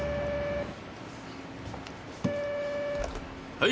・☎はい。